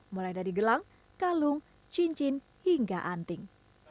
mulai dari gelang kalung cincin hingga anting